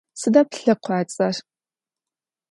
Sıda plhekhuats'er?